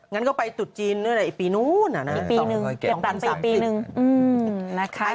งั้นก็ไปตุชจีนด้วยนะอีกปีนู้นอีกปีนึง๒๓ปี